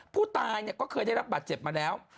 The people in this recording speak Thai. ผู้ตายเนี่ยก็เคยได้รับบัตรเจ็บมาแล้ว